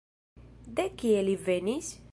De kie li venis?